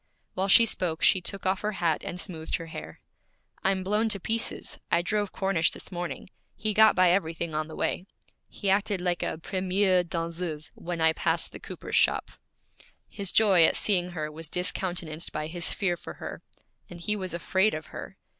While she spoke she took off her hat and smoothed her hair. 'I'm blown to pieces. I drove Cornish this morning; he got by everything on the way. He acted like a première danseuse when I passed the cooper's shop.' His joy at seeing her was discountenanced by his fear for her; and he was afraid of her.